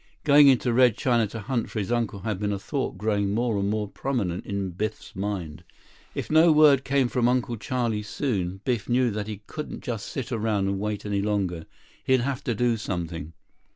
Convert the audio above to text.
Going into Red China to hunt for his uncle had been a thought growing more and more prominent in Biff's mind. If no word came from Uncle Charlie soon, Biff knew that he couldn't just sit around and wait any longer. He'd have to do something.